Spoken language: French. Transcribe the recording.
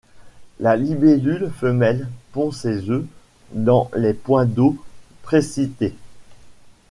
La libellule femelle pond ses œufs dans les points d'eau précités.